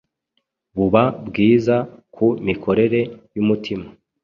buba bwiza ku mikorere y’umutima